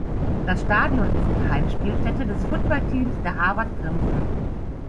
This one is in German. Das Stadion ist die Heimspielstätte des Football-Teams der Harvard Crimson.